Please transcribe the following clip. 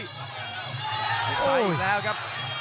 หุบทรายอยู่แล้วครับ